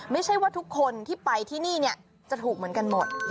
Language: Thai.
ไม่ใช่ว่าทุกคนที่ไปที่นี่จะถูกเหมือนกันหมด